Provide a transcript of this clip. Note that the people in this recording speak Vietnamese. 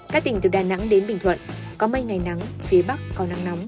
các tỉnh từ đà nẵng đến bình thuận có mây ngày nắng phía bắc có nắng nóng